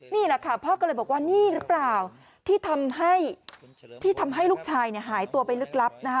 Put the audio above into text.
นี่แหละค่ะพ่อก็เลยบอกว่านี่รึเปล่าที่ทำให้ลูกชายหายตัวไปลึกลับ